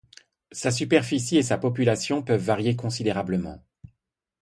Sa superficie et sa population peuvent varier considérablement.